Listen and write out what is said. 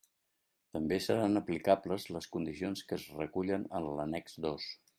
També seran aplicables les condicions que es recullen en l'annex dos.